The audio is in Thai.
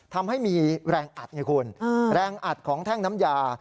ทำให้มีแรงอัดไงคุณแรงอัดของแท่งน้ำยา